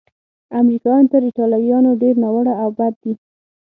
امریکایان تر ایټالویانو ډېر ناوړه او بد دي.